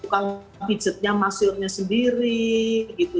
tukang pijetnya masyurnya sendiri gitu